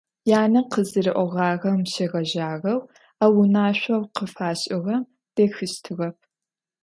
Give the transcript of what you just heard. Янэ къызыриӏогъагъэм щегъэжьагъэу а унашъоу къыфашӏыгъэм дэхыщтыгъэп.